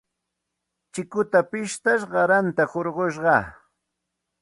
Chikuta pishtar qaranta hurqushqaa.